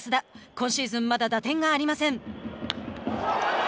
今シーズンまだ打点がありません。